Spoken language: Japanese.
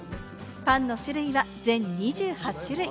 パンの種類は全２８種類。